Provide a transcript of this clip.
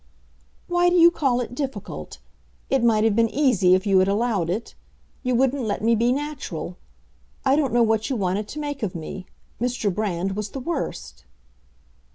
"Why do you call it difficult? It might have been easy, if you had allowed it. You wouldn't let me be natural. I don't know what you wanted to make of me. Mr. Brand was the worst."